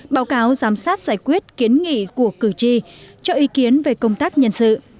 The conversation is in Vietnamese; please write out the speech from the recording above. báo cáo giám sát giải quyết kiến nghị của cử tri cho ý kiến về công tác nhân sự